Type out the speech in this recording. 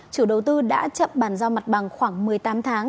chủ đầu tư đã chậm bàn giao mặt bằng khoảng một mươi tám tháng